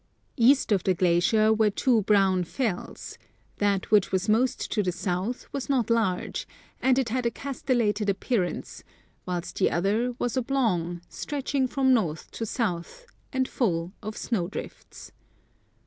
East of the glacier were two brown fells ; that which was most to the south was not large, and it had a castellated appearance, whilst the other was oblong, stretching from north to south, and full of snowdrifts.